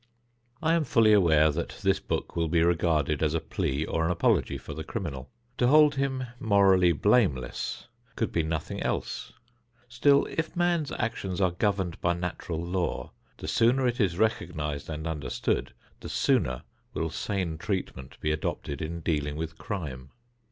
I am fully aware that this book will be regarded as a plea or an apology for the criminal. To hold him morally blameless could be nothing else. Still if man's actions are governed by natural law, the sooner it is recognized and understood, the sooner will sane treatment be adopted in dealing with crime.